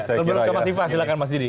sebelum ke mas ifah silakan mas didi